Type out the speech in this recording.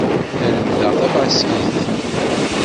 La lemmdeɣ tabaskit.